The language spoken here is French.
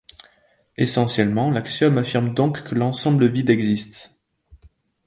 Essentiellement, l'axiome affirme donc que l'ensemble vide existe.